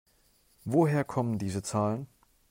Woher kommen diese Zahlen?